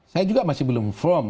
saya juga masih belum firm